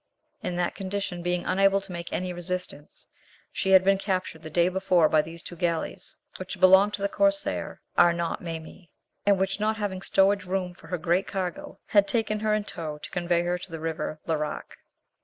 In that condition, being unable to make any resistance, she had been captured the day before by these two galleys, which belonged to the corsair Arnaut Mami, and which not having stowage room for her great cargo, had taken her in tow to convey her to the river Larache.